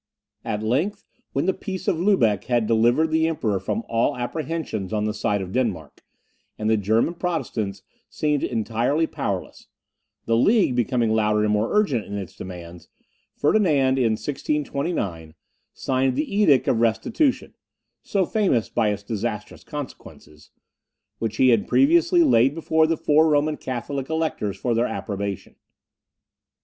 At length, when the peace of Lubeck had delivered the Emperor from all apprehensions on the side of Denmark, and the German Protestants seemed entirely powerless, the League becoming louder and more urgent in its demands, Ferdinand, in 1629, signed the Edict of Restitution, (so famous by its disastrous consequences,) which he had previously laid before the four Roman Catholic electors for their approbation.